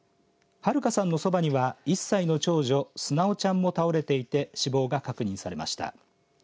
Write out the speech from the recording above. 春香さんのそばには１歳の長女純ちゃんも倒れていて死亡が確認されました。